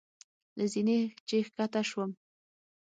له زینې چې ښکته شوم.